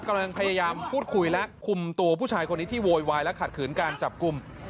กำลังพยายามพูดคุยและคุมตัวผู้ชายคนนี้ที่โวยวายและขัดขืนการจับกลุ่ม